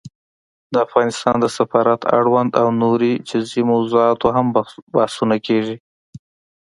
د افغانستان د سفارت اړوند او نورو جزيي موضوعاتو هم بحثونه کېږي